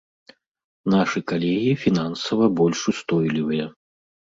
Нашы калегі фінансава больш устойлівыя.